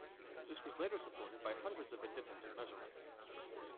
This was later supported by hundreds of independent measurements.